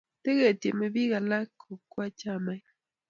tiketieme biik alak kokwa chamait